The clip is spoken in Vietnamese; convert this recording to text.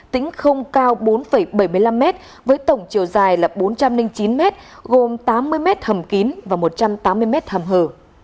tính không cao bốn bảy mươi năm m với tổng chiều dài là bốn trăm linh chín m gồm tám mươi m hầm kín và một trăm tám mươi m hầm hở